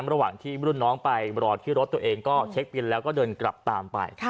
ระหว่างที่รุ่นน้องไปรอที่รถตัวเองก็เช็คบินแล้วก็เดินกลับตามไป